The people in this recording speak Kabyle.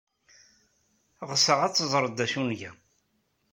Ɣseɣ ad teẓred d acu ay nga.